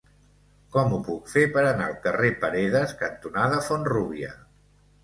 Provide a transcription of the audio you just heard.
Com ho puc fer per anar al carrer Paredes cantonada Font-rúbia?